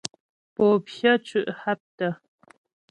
Pô pyə́ cʉ́' haptə.